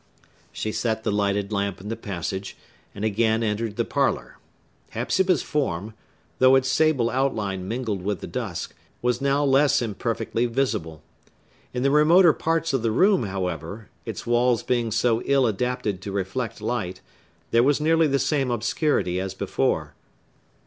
She set the lighted lamp in the passage, and again entered the parlor. Hepzibah's form, though its sable outline mingled with the dusk, was now less imperfectly visible. In the remoter parts of the room, however, its walls being so ill adapted to reflect light, there was nearly the same obscurity as before.